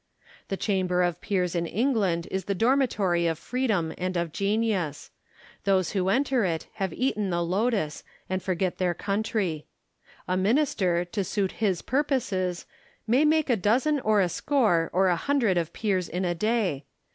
The Chamber of Peers in England is the dormitory of freedom and of genius. Those who enter it have eaten the lotus, and forget their country. A minister, to suit his purposes, may make a dozen or a score or a hundred of peers in a day.